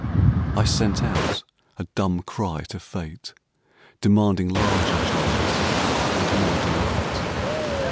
I sent out a dumb cry to Fate, demanding larger joys and more delight.